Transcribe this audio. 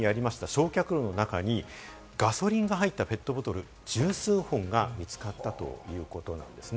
焼却炉の中にガソリンが入ったペットボトル十数本が見つかったということなんですね。